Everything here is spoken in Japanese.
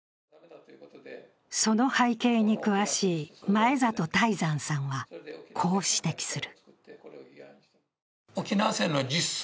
その背景に詳しい真栄里泰山さんは、こう指摘する。